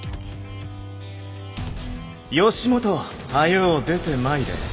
義元早う出てまいれ。